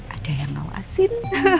ada yang mau asin